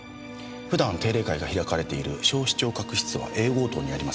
普段定例会が開かれている小視聴覚室はＡ号棟にあります。